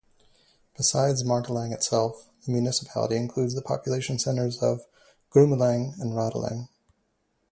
Besides Martelange itself, the municipality includes the population centers of Grumelange and Radelange.